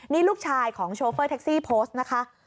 นี่ลูกชายของโชเฟอร์แท็กซี่โพสต์นะคะ